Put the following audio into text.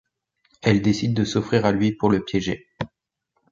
Elle décide de s'offrir à lui pour le piéger...